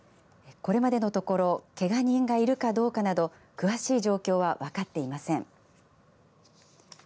これまでのところけが人がいるかどうかなど詳しい状況は分かっていません。